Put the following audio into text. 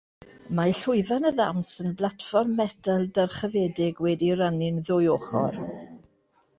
Mae llwyfan y ddawns yn blatfform metal dyrchafedig wedi'i rannu'n ddwy ochr.